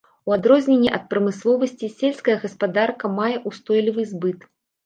У адрозненні ад прамысловасці, сельская гаспадарка мае ўстойлівы збыт.